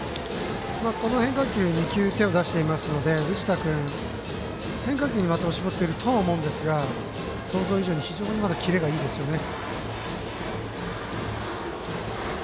変化球２球手を出していますので、藤田君変化球に的を絞っているとは思うんですが想像以上に、非常にまだキレがいいですよね。